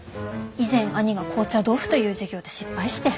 以前兄が紅茶豆腐という事業で失敗して。